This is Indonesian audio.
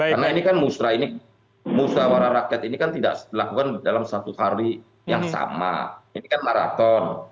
karena ini kan musyawarah rakyat ini kan tidak dilakukan dalam satu hari yang sama ini kan maraton